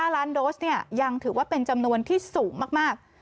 ๕ล้านโดสยังถือว่าเป็นจำนวนที่สูงมาก